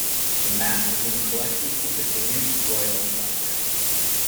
The map is in the collections of the Danish Royal Library.